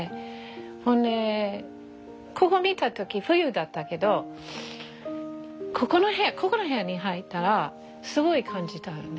ほんでここ見た時冬だったけどここの部屋に入ったらすごい感じたのね。